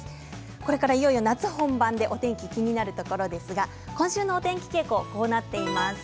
これからいよいよ夏本番のお天気が気になるところですが今週のお天気傾向はこうなっています。